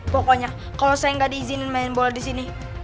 pokoknya kalau saya nggak diizinin main bola disini